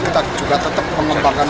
kita juga tetap mengembangkan